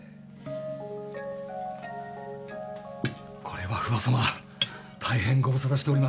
これは不破さま大変ご無沙汰しております。